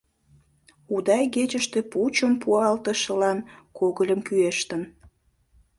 Уда игечыште пучым пуалтышылан когыльым кӱэштын.